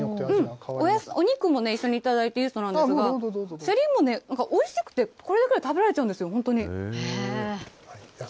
お肉も一緒に頂いていいそうなんですが、せりもね、なんかおいしくて、これだけで食べられちゃうんですよ、本当に。